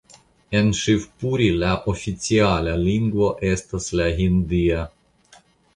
En Ŝivpuri la oficiala lingvo estas la hindia.